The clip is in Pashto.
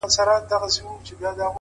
• تا ولي په مسکا کي قهر وخندوئ اور ته؛